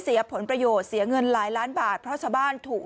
เสียผลประโยชน์เสียเงินหลายล้านบาทเพราะชาวบ้านถูก